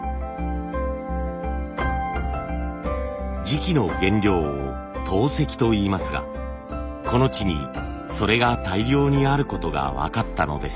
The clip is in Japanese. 磁器の原料を陶石といいますがこの地にそれが大量にあることが分かったのです。